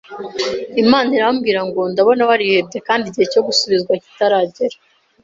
Imana irambwira ngo ndabona warahabye kandi igihe cyo gusubizwa kitaragera,